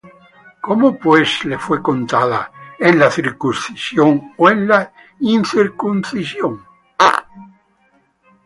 ¿Cómo pues le fué contada? ¿en la circuncisión, ó en la incircuncisión?